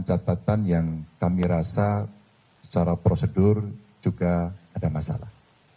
catatan yang kami rasa secara prosedur juga ada masalah